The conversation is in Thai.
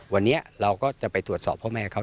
วันนี้เราก็จะไปตรวจสอบพ่อแม่เขา